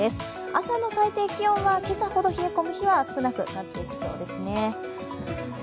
朝の最低気温は今朝ほど冷え込む日は少なくなっていきそうですね。